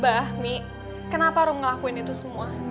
bah mi kenapa ruh ngelakuin itu semua